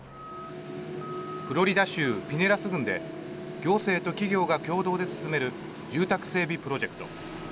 フロリダ州ピネラス郡で行政と企業が共同で進める住宅整備プロジェクト。